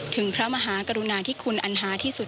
พระมหากรุณาที่คุณอันหาที่สุด